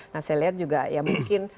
nah saya lihat juga ya mungkin